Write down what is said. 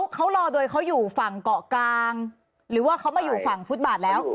เขารอโดยเขาอยู่ฝั่งเกาะกลางหรือว่าเขามาอยู่ฝั่งฟุตบาทแล้ว